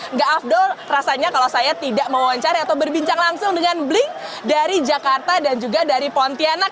enggak afdol rasanya kalau saya tidak mewawancari atau berbincang langsung dengan bling dari jakarta dan juga dari pontianak